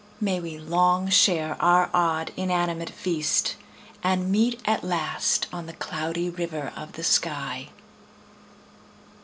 May we long share our odd, inanimate feast, And meet at last on the Cloudy River of the sky.